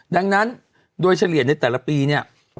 ดังนั้นโดยเฉลี่ยในแต่ละปีเนี่ย